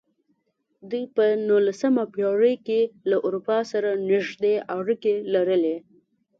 دوی په نولسمه پېړۍ کې له اروپا سره نږدې اړیکې لرلې.